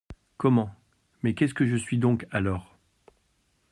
Comment ! mais qu’est-ce que je suis donc alors ?